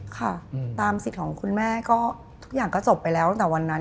ค่ะตามสิทธิ์ของคุณแม่ก็ทุกอย่างก็จบไปแล้วตั้งแต่วันนั้น